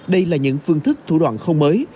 đây là những phương thức thủ đoạn không mới